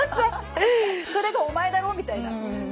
それがお前だろ？みたいな。